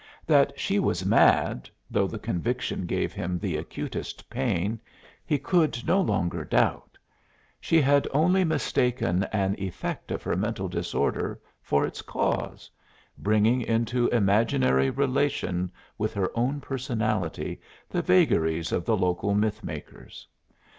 That she was mad, though the conviction gave him the acutest pain, he could no longer doubt; she had only mistaken an effect of her mental disorder for its cause, bringing into imaginary relation with her own personality the vagaries of the local myth makers.